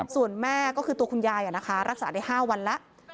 ส่วนแม่ก็คือตัวคุณยายรักษาได้๕วันแล้ว